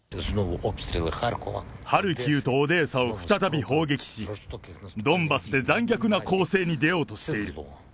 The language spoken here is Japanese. ハルキウとオデーサを再び砲撃し、ドンバスで残虐な攻勢に出ようとしている。